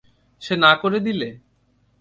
সে না করে দিলে?